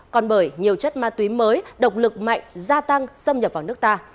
còn bởi nhiều chất ma túy mới độc lực mạnh gia tăng xâm nhập vào nước ta